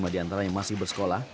lima di antara yang masih bersekolah